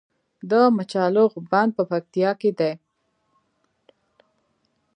د مچالغو بند په پکتیا کې دی